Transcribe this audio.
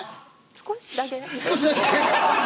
少しだけ？